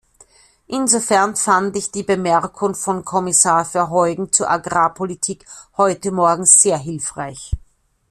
Insofern fand ich die Bemerkung von Kommissar Verheugen zur Agrarpolitik heute Morgen sehr hilfreich.